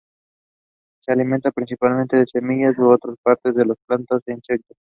Se alimentan principalmente de semillas u otras partes de las plantas e insectos.